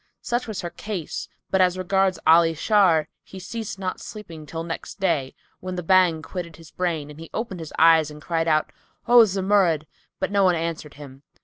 Such was her case; but as regards Ali Shar, he ceased not sleeping till next day, when the Bhang quitted his brain and he opened his eyes and cried out, "O Zumurrud"; but no one answered him.